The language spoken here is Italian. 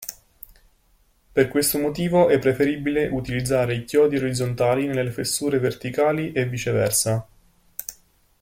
Per questo motivo è preferibile utilizzare i chiodi orizzontali nelle fessure verticali e viceversa.